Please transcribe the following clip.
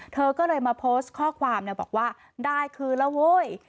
เธอก็เลยมาโพสต์ข้อความบอกว่าได้คืนแล้วเว้ย